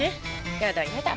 やだやだ。